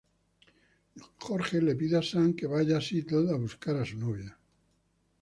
George le pide a Sam que vaya a Seattle a buscar a su novia.